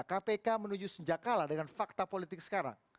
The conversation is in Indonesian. kpk menuju senjakala dengan fakta politik sekarang